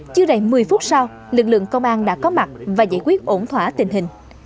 chưa đầy một mươi phút sau lực lượng công an đã có mặt và giải quyết ổn thỏa tình hình